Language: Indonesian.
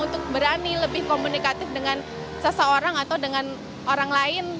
untuk berani lebih komunikatif dengan seseorang atau dengan orang lain